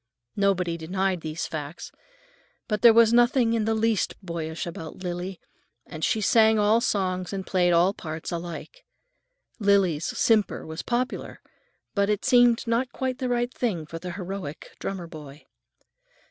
Nobody denied these facts. But there was nothing in the least boyish about Lily, and she sang all songs and played all parts alike. Lily's simper was popular, but it seemed not quite the right thing for the heroic drummer boy.